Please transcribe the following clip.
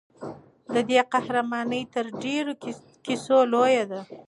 د دې قهرماني تر ډېرو کیسو لویه ده.